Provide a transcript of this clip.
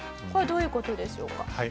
これはどういう事でしょうか？